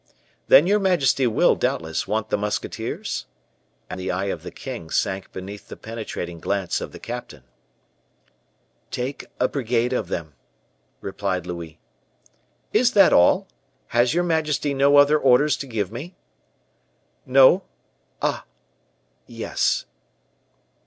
"Then you majesty will, doubtless, want the musketeers?" And the eye of the king sank beneath the penetrating glance of the captain. "Take a brigade of them," replied Louis. "Is that all? Has your majesty no other orders to give me?" "No ah yes."